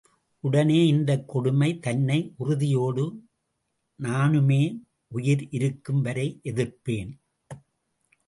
உடனே இந்தக் கொடுமை தன்னை உறுதி யோடு நானுமே உயிர்இ ருக்கும் வரைஎ திர்ப்பேன்.